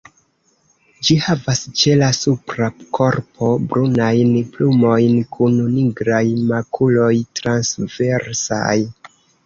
Ĝi havas ĉe la supra korpo brunajn plumojn kun nigraj makuloj transversaj.